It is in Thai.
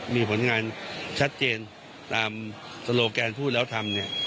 มีผลงานชัดเจนตามโซโลแกนพูดแล้วทำเนี่ย